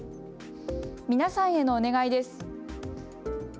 皆さんへのお願いです。